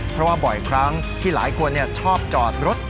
เพราะว่าบ่อยครั้งที่หลายคนชอบจอดรถ